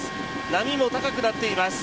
波も高くなっています。